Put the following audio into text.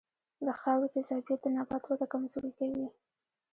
د خاورې تیزابیت د نبات وده کمزورې کوي.